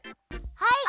はい！